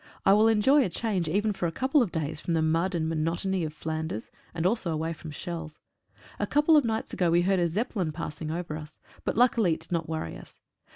I will enjoy a change even for a couple of days from the mud and monotony of Flan ders and also away from shells. A couple of nights ago we heard a Zeppelin passing over us, but luckily it did not worry us.